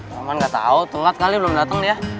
roman gak tau telat kali belum dateng dia